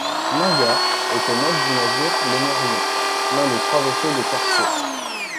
Maingard était maître du navire L'Émérillon, l'un des trois vaisseaux de Cartier.